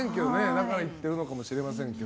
だから行ってるのかもしれませんが。